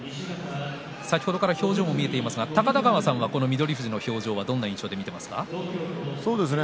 先ほどから表情も見えていますが高田川さんはこの翠富士の表情はどんな印象で見ていますか。